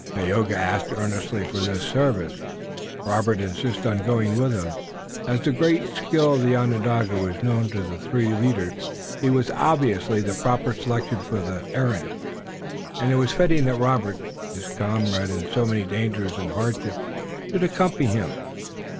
Tayoga asked earnestly for this service, and Robert insisted on going with him. As the great skill of the Onondaga was known to the three leaders, he was obviously the proper selection for the errand, and it was fitting that Robert, his comrade in so many dangers and hardships, should accompany him.